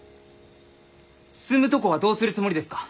住むとこはどうするつもりですか？